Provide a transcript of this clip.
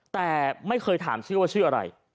แต่ไม่เคยถามชื่อว่าชื่ออะไร